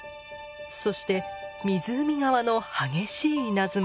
そして湖側の激しい稲妻。